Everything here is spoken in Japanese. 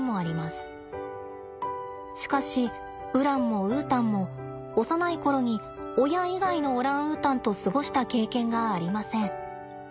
しかしウランもウータンも幼い頃に親以外のオランウータンと過ごした経験がありません。